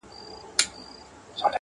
بې مانا مناسباتو ته شاه کړو